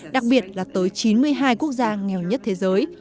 đặc biệt là tới chín mươi hai quốc gia nghèo nhất thế giới